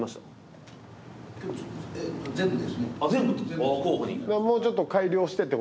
全部？